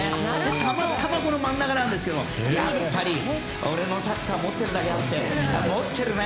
たまたま真ん中なんですけどやっぱり俺のサッカー持ってるだけあって持っているね！